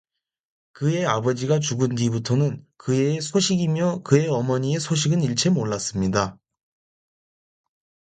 그 애 아버지가 죽은 뒤부터는 그 애의 소식이며 그 애 어머니의 소식은 일체 몰랐습니다.